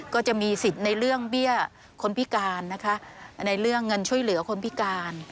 ก็จะมีสิทธิ์ในเรื่องเบี้ยคนพิการนะคะในเรื่องเงินช่วยเหลือคนพิการ